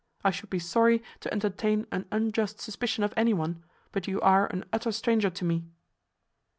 I should be sorry to entertain an unjust suspicion of any one; but you are an utter stranger to me."